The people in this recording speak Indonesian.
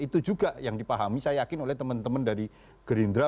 itu juga yang dipahami saya yakin oleh teman teman dari gerindra